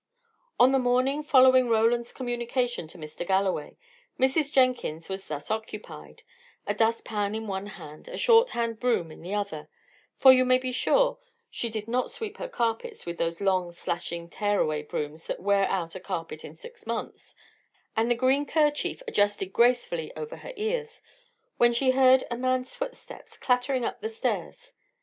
On the morning following Roland's communication to Mr. Galloway, Mrs. Jenkins was thus occupied a dust pan in one hand, a short hand broom in the other for you may be sure she did not sweep her carpets with those long, slashing, tear away brooms that wear out a carpet in six months and the green kerchief adjusted gracefully over her ears when she heard a man's footsteps clattering up the stairs.